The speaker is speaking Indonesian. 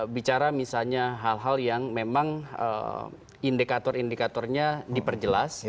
bicara misalnya hal hal yang memang indikator indikatornya diperjelas